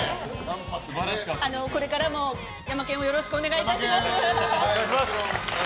これからもヤマケンをよろしくお願いいたします。